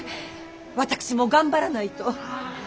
私も頑張らないと。